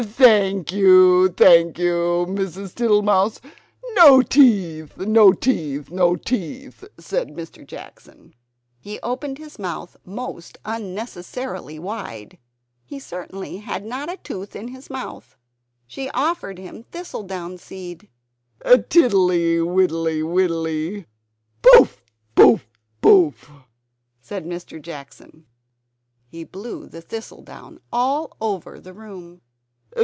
"Thank you, thank you, Mrs. Tittlemouse! No teeth, no teeth, no teeth!" said Mr. Jackson. He opened his mouth most unnecessarily wide; he certainly had not a tooth in his head. Then she offered him thistle down seed "Tiddly, widdly, widdly! Pouff, pouff, puff." said Mr. Jackson. He blew the thistle down all over the room.